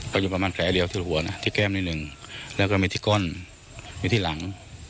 ก็อยู่ประมาณแผลเดียวที่หัวนะที่แก้มนิดหนึ่งแล้วก็มีที่ก้อนมีที่หลัง